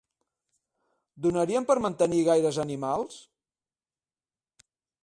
Donarien per mantenir gaires animals?